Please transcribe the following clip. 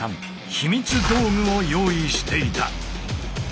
秘密道具を用意していた。